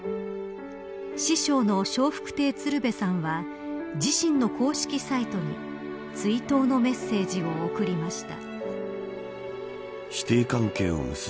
師匠の笑福亭鶴瓶さんは自身の公式サイトに追悼のメッセージを送りました。